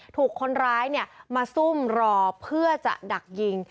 ถูกคนร้ายมาซุ่มรอเพื่อจะดักยิง